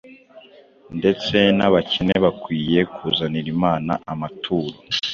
Ndetse n’abakene bakwiye kuzanira Imana amaturo yabo.